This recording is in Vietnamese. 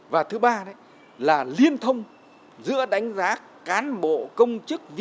và thứ ba là liên thông giữa đánh giá cán bộ công chức viên